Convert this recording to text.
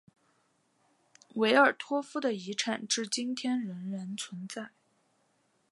维尔托夫的遗产至今天仍然存在。